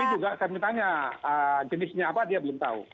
tapi juga saya bertanya jenisnya apa dia belum tahu